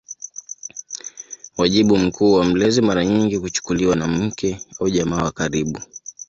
Wajibu mkuu wa mlezi mara nyingi kuchukuliwa na mke au jamaa wa karibu.